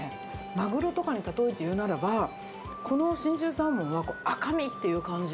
マグロとかに例えて言うならば、この信州サーモンは赤身っていう感じ。